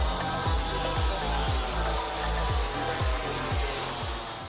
berada di dekat sirkuit mandalika